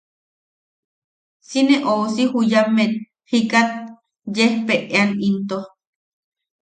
Si ne ousi juyammek jikat yejpeʼean into.